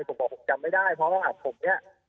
ผมบอกว่าผมจำไม่ได้เพราะว่าผมนี่